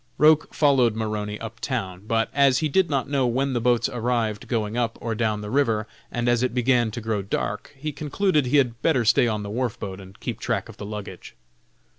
Roch followed Maroney up town, but, as he did not know when the boats arrived going up or down the river, and as it began to grow dark, he concluded he had better stay on the wharf boat and keep track of the luggage.